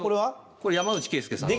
これ山内惠介さん。